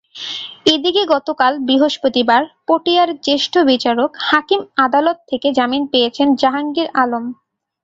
এদিকে গতকাল বৃহস্পতিবার পটিয়ার জ্যেষ্ঠ বিচারিক হাকিম আদালত থেকে জামিন পেয়েছেন জাহাঙ্গীর আলম।